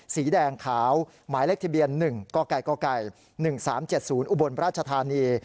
สีแดงขาวหมายเลขทะเบียน๑กก๑๓๗๐อุบลราชธานี